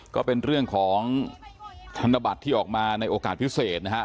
ก็เป็นเรื่องของธนบัตรที่ออกมาในโอกาสพิเศษนะฮะ